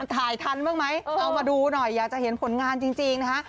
ถ่ายทันบ้างไหมเอามาดูหน่อยอยากจะเห็นผลงานจริงนะฮะ